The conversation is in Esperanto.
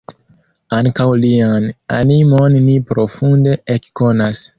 Ankaŭ lian animon ni profunde ekkonas.